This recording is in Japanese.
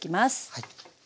はい。